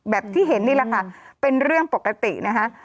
ที่เห็นนี่แหละค่ะเป็นเรื่องปกตินะคะ